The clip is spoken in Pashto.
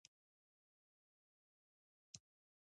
د همدې چوخې په زور لنګرچلیږي